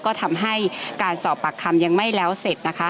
ก็ทำให้การสอบปากคำยังไม่แล้วเสร็จนะคะ